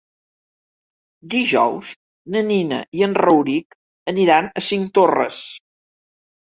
Dijous na Nina i en Rauric aniran a Cinctorres.